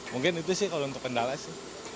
mungkin itu sih kalau untuk kendala sih